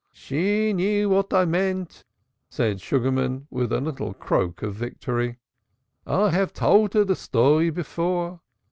"Soorka knew what I meant," said Sugarman with a little croak of victory, "I have told her the story before.